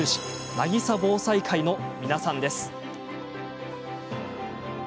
なぎさ防災会の皆さんです。